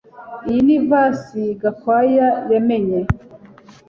Iyi ni vase Gakwaya yamennye